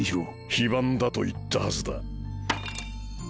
非番だと言ったはずだ。